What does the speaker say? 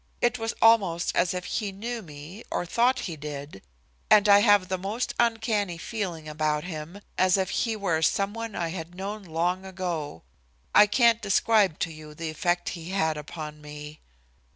It was almost as if he knew me or thought he did, and I have the most uncanny feeling about him, as if he were some one I had known long ago. I can't describe to you the effect he had upon me."